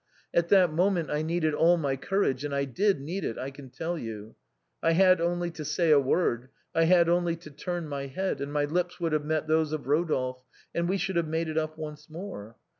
At that moment I needed all my courage, and I did need it, I can tell you. I had only to say a word, I had only to turn my head, and my lips would have met those of Eodolphe, and we should have made it up once more.